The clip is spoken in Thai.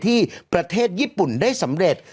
ที่ประเทศญี่ปุ่นได้สำเร็จ